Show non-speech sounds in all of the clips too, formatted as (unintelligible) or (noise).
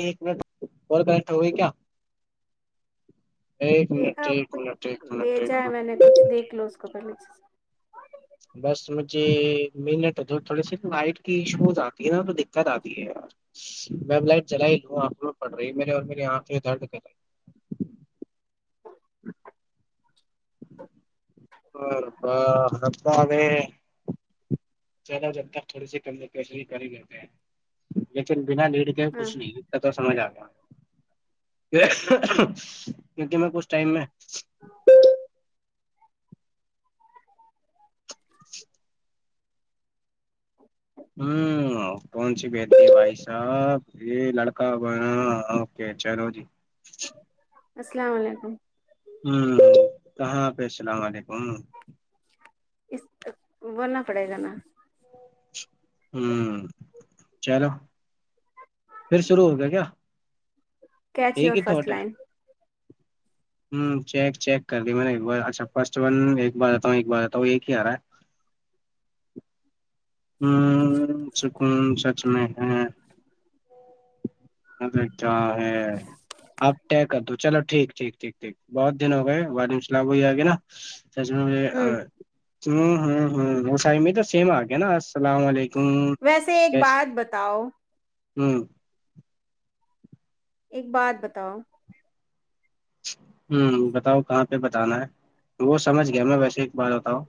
ایک منٹ ہو گئے کیا ایک دیکھا منٹ ایک منٹ ایک بے منٹ ایک چین میں نے کچھ منٹ دیکھ لو اس کے اوپر لکھا بس مجھے منٹ تھوڑی سی وائٹ کی شوز اتی ہے نا تو دقت اتی ہے یار ویب لائٹ جلائی لوں اپ کو پڑھ رہی ہے میرے اور میری انکھیں درد کر ہے۔ چلو جب تک تھوڑی سی کر ہی لیتے ہیں ہاں کچھ نہیں سمجھ اگیا کیونکہ میں کچھ ٹائم میں (unintelligible) (unintelligible) سمجھ گیا کون سی بیٹی ہے بھائی صاحب یہ لڑکا بڑا اوکے چلو جی السلام علیکم کہاں پہ السلام علیکم بولنا پڑے گا نا ھم چلو پھر شروع ہو گیا کیا کیچ ایک یور ہی فرسٹ تھاٹ ہے لائن چیک چیک کر لی میں نے اچھا فرسٹ ون ایک بار اتا ہوں ایک بار اتا ہوں ایک ہی ا رہا ہے (unintelligible) ہ (unintelligible) (unintelligible) (unintelligible) علیکم ویسے ایک یس بات بتاؤ (unintelligible) ایک بات بتاؤ بتاؤ کہاں پہ بتانا ہے وہ سمجھ گیا میں بار بتاؤ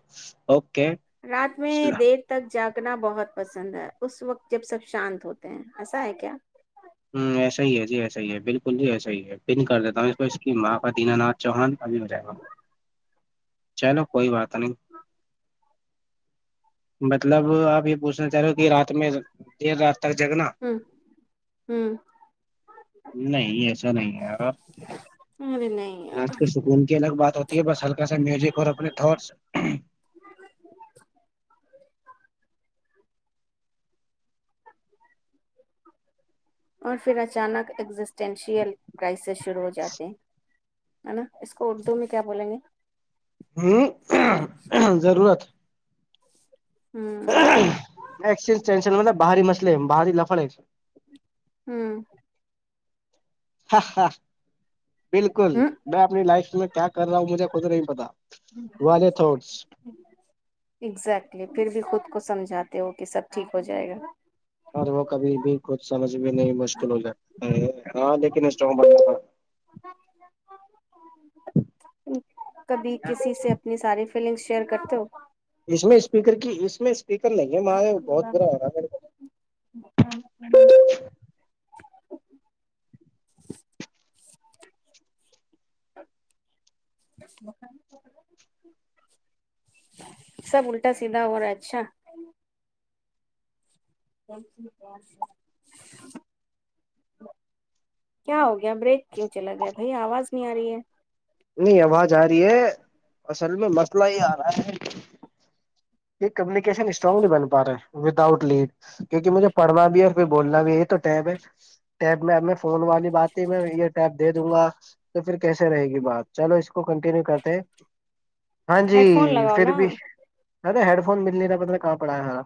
اوکے رات میں دیر تک جاگنا پسند ہے اس وقت جب سب شانت ہوتے ہیں ایسا ہے کیا ایسا ہی ہے جی ایسا ہی ہے بالکل نہیں ایسا ہی ہے پن کر دیتا ہوں اس کو اس کی ماں کا دینا چوہان بھی ہو جائے گا چلو کوئی بات نہیں مطلب اپ (unintelligible) پوچھنا چاہ رہے ہو کہ رات میں دیر رات تک جگنا ہ ہ نہیں ایسا نہیں ہے اور ارے نہیں اج یار، کا سکون کے الگ بات ہوتی ہے بس ہلکا سا میوزک اور اپنے تھور اور پھر اچانک ایگزسٹنشل پرائس (unintelligible) ہو جاتے ہیں (unintelligible) اس کو اردو میں کیا بولیں گے ضرورت (inaudible) ہ (inaudible) (unintelligible) (unintelligible) (unintelligible) (unintelligible) ہ ہ کیا کر رہا ہو مجھے خود نہیں پتا والے تھا ایگزیکٹلی پھر بھی خود کو سمجھاتے ہو کہ سب ٹھیک ہو جائے گا اور وہ کبھی بھی خود سمجھ بھی نہیں مشکل ہو جاتا ہے ہاں لیکن اس تم کبھی کسی سے اپنی ساری فیلنگ شیئر کرتے ہو کر کے اس میں سپیکر لگے (unintelligible) (unintelligible) (inaudible) سب الٹا سیدھا ہو رہا ہے اچھا (inaudible) کیمرے کیوں چلا گیا اواز نہیں ارہی ہے نہیں اواز ا رہی ہے اصل میں مسئلہ ہی ا رہا ہے ایک کمیونیکیشن سٹرانگ نہیں بن پا رہے کیونکہ مجھے پڑھنا بھی اور کوئی بولنا بھی ہے تو ٹیب ہے ٹیب میب میں فون والی بات ہے میں یہ ٹیب (unintelligible) دے دوں گا تو پھر کیسے رہے گی بات چلو اس کو کنٹینیو کرتے ہیں ہاں جی ہیڈ فون لگاؤ پھر نا بھی ہیڈ فون مل کہاں پڑا ہے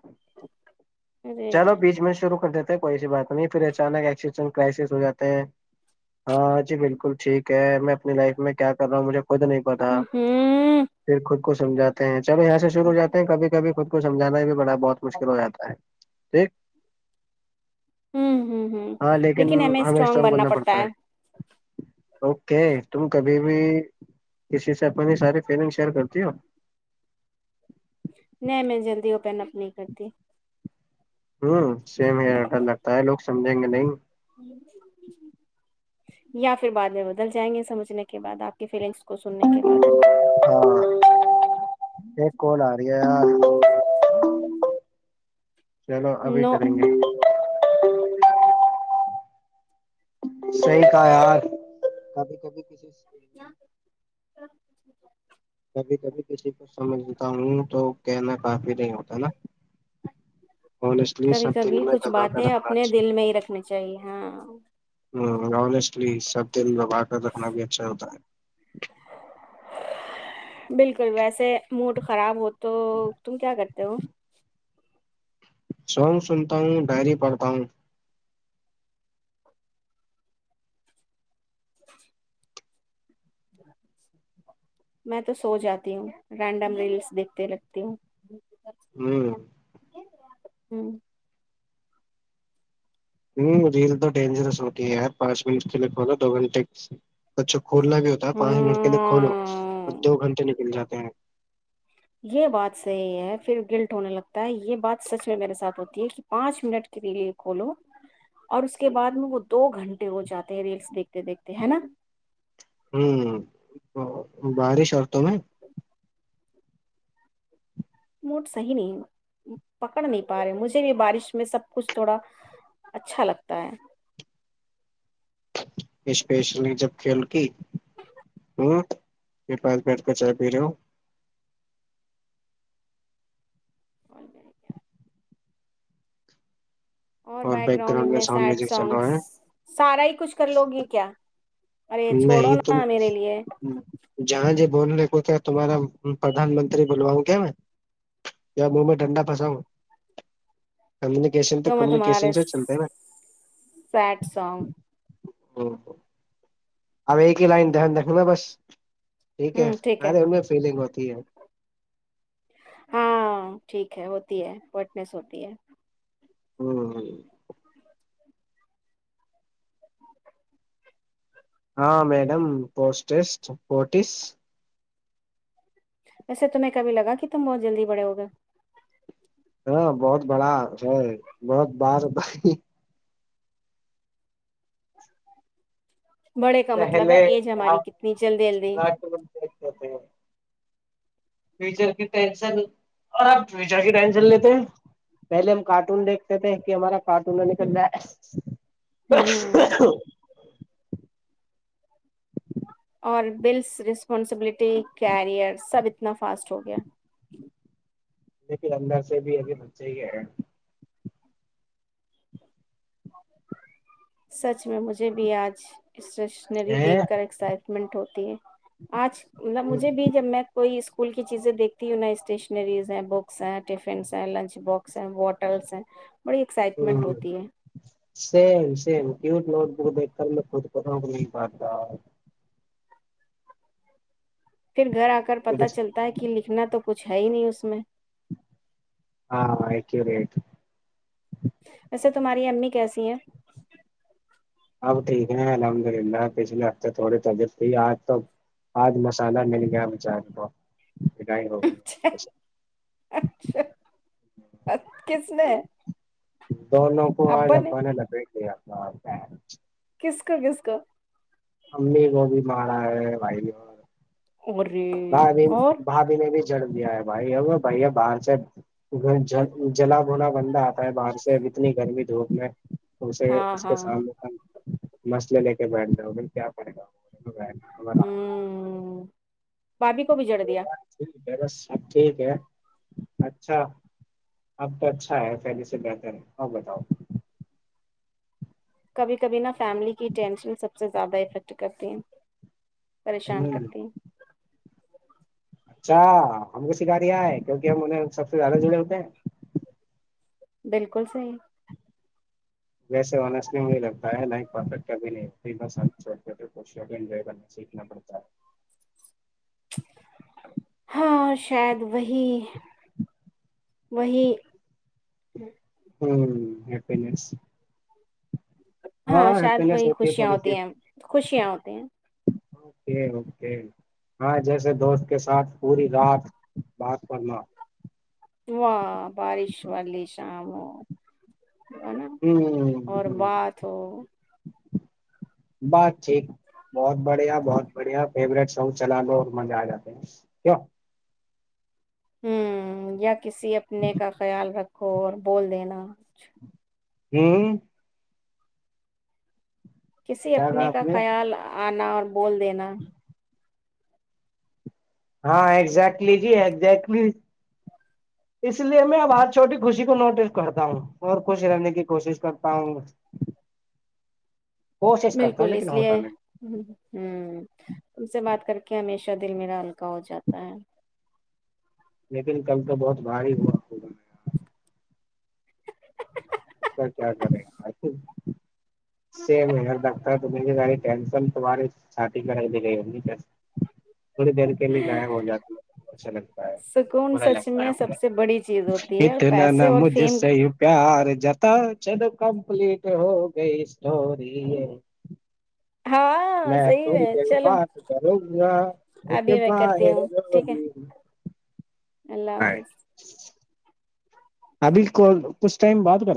ارے چلو بیچ میں شروع کر کوئی ایسی بات نہیں تیرے اچانک پرائسز ہو جاتے ہیں ہاں جی بالکل ٹھیک ہے میں اپنی لائف میں ہوں (unintelligible) کو سمجھاتے ہیں چلو یہاں سے شروع ہو جاتے ہیں کبھی کبھی خود کو سمجھانا بھی بڑا بہت مشکل ہو جاتا ہے (inaudible) ہوں ہوں ہوں ہاں لیکن ہمیں ہم اسٹرانگ اسٹو بننا کرنا پڑتا ہے اوکے تم بیوی کسی سے اپنی ساری ٹریننگ شیئر کرتی ہو میں جلدی اوپن اپنی کرتی لگتا ہے لوگ سمجھیں گے نہیں یا پھر بعد میں بدل جائیں گے سمجھنے کے کو سننے کے بعد ہاں (unintelligible) (unintelligible) ایسے نہیں ہے ابھی نو کریں گے (unintelligible) (unintelligible) (unintelligible) (inaudible) (unintelligible) ملتا ہوں تو کہنا کافی نہیں ہوتا نا کبھی کبھی کچھ باتیں اپنے دل میں ہی رکھنی چاہیے ہاں بالکل ویسے موڈ خراب تو تم کیا (unintelligible) سونگ سنتا ہوں ڈائری پڑھتا ہوں میں تو سو جاتی ہوں رینڈم ریلز بیتے رکھتی ہوں بس (unintelligible) (unintelligible) (unintelligible) اچھا کھولنا بھی ہوتا ہے پانچ منٹ کے لیے کھولو ہاں دو گھنٹے نکل (unintelligible) یہ بات صحیح ہے پھر گلٹ ہونے لگتا ہے یہ بات سچ میں میرے ساتھ ہوتی ہے کہ پانچ منٹ کے لیے کھولو اور اس کے بعد وہ دو گھنٹے ہو جاتے ہیں ریٹس دیکھتے دیکھتے ہیں نا بارش عورتوں میں موڈ صحیح نہیں پکڑ نہیں پا رہے مجھے بھی بارش میں سب کچھ توڑا اچھا لگتا ہے اسپیشلی جب کھیل کے (unintelligible) (unintelligible) اور بیک گراؤنڈ میں ساؤنڈ میوزک چل رہا ہے (unintelligible) کچھ کر لو یہ کیا ارے چھوڑو نا میرے لیے (unintelligible) جہاں جی بولنے کوتا ہے تمہارا پردھان منتری بلواؤ گے کمیونیکیشن تو میں کمیونیکیشن تمہارے سے چلتے ہیں نا سیڈ سانگ (inaudible) اب صرف ایک لائن یاد رکھیں۔ ٹھیک ہے ان کے پاس فلنگ ہے۔ ہاں، یہ ٹھیک ہے، ایسا ہوتا ہے، گرمی ہوتی ہے۔ (unintelligible) ہاں میڈم آپ کو ایسا لگا جیسے آپ بہت تیزی سے بڑے ہو گئے ہیں۔ ہمم یہ بہت بڑا ہے۔ بڑے کا مطلب پہلے ہے ایج ہماری کتنی آپ جلدی جلدی پہلے ہم اپنے کارٹون کے مستقبل کی فکر کرتے تھے۔ ہوں (unintelligible) اور پھر سب کچھ تیزی سے ہوا۔ دیکھو وہ ابھی بھی اندر بچے ہیں۔ دراصل آج میں بھی مجھے بھی ہے دیکھنا پسند ہے۔ اسکول کی چیزوں کو دیکھ رہے ہیں۔ بڑی ایکسائٹمنٹ ہوتی ہے سام (unintelligible) (unintelligible) پھر گھر آکر احساس ہوا کہ مجھے لکھنا ہے۔ اس میں کچھ نہیں ہے۔ ہاں میں ٹھیک ہوں تمہاری ماں کیسی ہے؟ اب یہ ٹک ٹک کر رہا ہے الحمدللہ اب یہ ٹک ٹک کر رہا ہے۔ W H O? پاپا نے آج ان دونوں کو نے لپیٹ لیا۔ (inaudible) کس کو ماں بھی (inaudible) اوہ اور بندہ آج دوپہر کو باہر سے آتا ہے۔ ہاں اپنے ہاں ہاں مسائل کے ساتھ اس کے سامنے بیٹھیں۔ باقی بھی ہاں، اب یہ ٹھیک ہے، ہاں اب یہ اچھا ہے۔ بعض اوقات خاندانی تناؤ زیادہ مسئلہ ہوتا ہے۔ ہ فکر مند اچھا ہم کو سکھا دیا ہے کیونکہ ہم انہیں سب سے زیادہ جڑے ہوتے ہیں بالکل صحیح ویسے بھی مجھے لگتا ہے لائک پرفیکٹ کبھی نہیں ہاں شاید وہی وہی (unintelligible) ہاں شاید کوئی ہیپینس ہے خوشیاں تھوڑی ہوتی سی ہیں تو خوشیاں ہوتی ہیں ہاں جیسے دوست کے ساتھ پوری رات بات کرنا واہ بارش والی شام ہو ہے نا اور (unintelligible) بات ہو بات ٹھیک بہت بڑھیا بہت بڑھیا فیورٹ سونگ چلا لو اور منگایا یا کسی اپنے کا خیال رکھو اور بول دینا (unintelligible) کسی کیا کہا اپنے آپ کا نے خیال انا اور بول دینا ہاں ایگزیکٹ یہ جی اس لیے ہمیں وہاں چھوٹی خوشی کو نوٹس کرتا ہوں اور خوش رہنے کی کوشش کرتا ہوں کوشش کرتا بالکل ہوں اس لیکن لیے ہوتا نہیں ان سے بات کر کہ ہمیشہ دل میرا ہلکا ہو جاتا ہے لیکن کل تو بہت بھاری ہوا (unintelligible) کیا کریں تھوڑی دیر کے لیے ضائع ہو ہے جاتی اچھا لگتا ہے سکون سچ میں سب سے بڑی چیز ہوتی ہے اور اتنا پیسے نہ اور مجھ فیم سے پیار (unintelligible) کمپلیٹ ہو گئی ہاں (unintelligible) صحیح تھوڑی ہے دیر چلو بعد کرو ابھی میں کرتی ہوں ٹھیک ہے اللہ حافظ اب اس کو کچھ ٹائم بعد کر